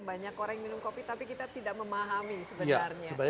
banyak orang yang minum kopi tapi kita tidak memahami sebenarnya